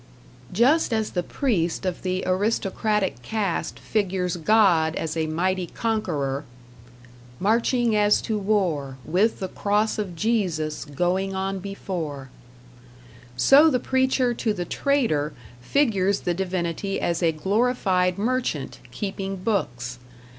Just as the priest of the aristocratic caste figures God as a mighty Conqueror Marching as to war With the cross of Jesus Going on before so the preacher to the trader figures the divinity as a glorified Merchant keeping books.